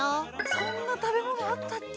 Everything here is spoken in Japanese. そんな食べ物あったっけ？